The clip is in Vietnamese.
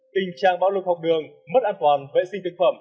tình trạng bão lục học đường mất an toàn vệ sinh thực phẩm